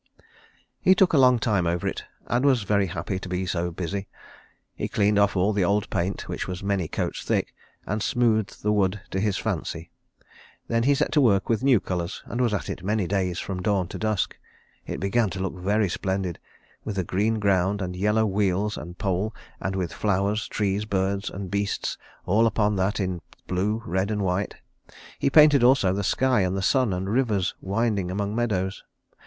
He took a long time over it, and was very happy to be so busy. He cleaned off all the old paint, which was many coats thick, and smoothed the wood to his fancy. Then he set to work with new colours and was at it many days from dawn to dusk. It began to look very splendid, with a green ground, and yellow wheels and pole, and with flowers, trees, birds and beasts upon all that in blue, red and white. He painted also the sky and the sun and rivers winding among meadows.